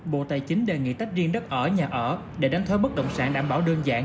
bộ tài chính đề nghị tách riêng đất ở nhà ở để đánh thuế bất động sản đảm bảo đơn giản